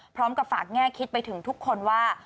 พร้อมกับฝากแง่คิดไปถึงทุกคนว่า